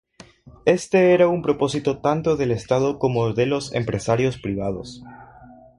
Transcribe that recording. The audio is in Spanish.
Éste era un propósito tanto del Estado como de los empresarios privados.